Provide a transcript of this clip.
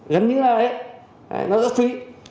gắn như là đấy nó rất phí